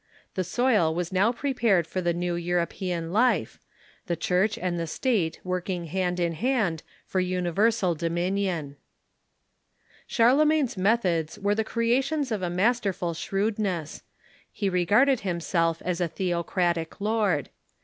The soil was now prepared for the new European life — the Church and the State work inrj hand in hand for universal dominion. 108 THE MEDIEVAL CHUKCII Charlemagne's methods were the creations of a masterful shrewdness. He regarded himself as a theocratic lord.